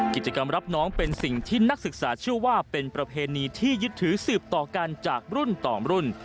กิจกรรมรับน้องเป็นสิ่งที่นักศึกษาเชื่อว่าเป็นประเพณีที่ยึดถือสืบต่อกันจากรุ่นต่อมรุ่น